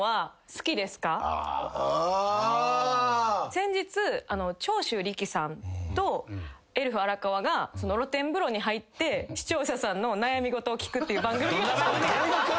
先日長州力さんとエルフ荒川が露天風呂に入って視聴者さんの悩み事を聞くっていう番組が。